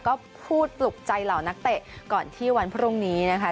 ก็พูดปลุกใจเหล่านักเตะก่อนที่วันพรุ่งนี้นะคะ